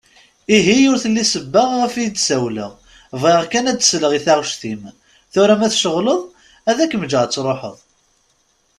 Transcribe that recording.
Ihi ur telli ssebba ɣef i d-ssawleɣ ; bɣiɣ kan ad d-sleɣ i taɣect-im. Tura ma tceɣleḍ ad kem-ǧǧeɣ ad truḥeḍ.